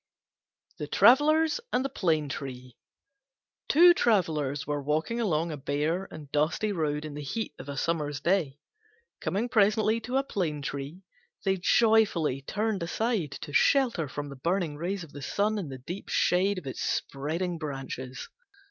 THE TRAVELLERS AND THE PLANE TREE Two Travellers were walking along a bare and dusty road in the heat of a summer's day. Coming presently to a Plane tree, they joyfully turned aside to shelter from the burning rays of the sun in the deep shade of its spreading branches.